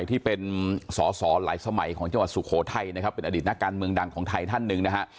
ที่เป็นสอสอหลายสมัยของจังหวัดสุโขทัยนะครับเป็นอดีตนักการเมืองดังของไทยท่านหนึ่งนะฮะ